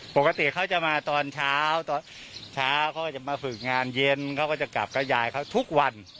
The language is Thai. ปกติเขาจะมาตอนเช้าตอนเช้าเช้าเขาก็จะมาฝึกงานเย็นเขาก็จะกลับกับยายเขาทุกวัน